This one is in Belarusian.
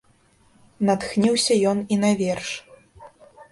Натхніўся ён і на верш.